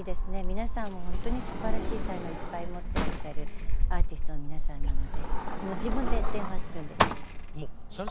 皆さんほんとにすばらしい才能をいっぱい持ってらっしゃるアーティストの皆さんなのでもう自分で電話するんです。